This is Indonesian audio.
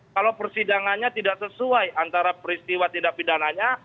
kalau persidangannya tidak sesuai antara peristiwa tindak pidananya